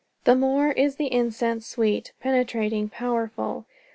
The more is the incense sweet, penetrating, powerful.